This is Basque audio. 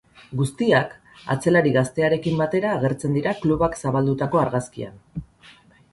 Guztiak atzelari gaztearekin batera agertzen dira klubak zabaldutako argazkian.